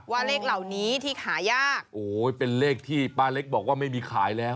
ว่าเลขเหล่านี้ที่หายากโอ้ยเป็นเลขที่ป้าเล็กบอกว่าไม่มีขายแล้ว